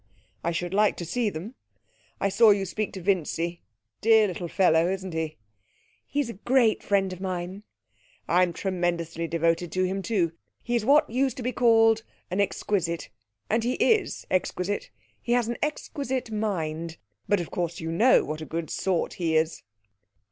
I should like to see them.... I saw you speak to Vincy. Dear little fellow, isn't he?' 'He's a great friend of mine.' 'I'm tremendously devoted to him, too. He's what used to be called an exquisite. And he is exquisite; he has an exquisite mind. But, of course, you know what a good sort he is.'